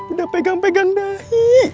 udah pegang pegang dahi